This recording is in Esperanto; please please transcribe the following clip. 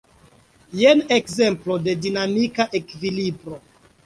Jen ekzemplo de dinamika ekvilibro.